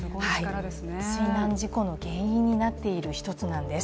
水難事故の原因になっている一つなんです。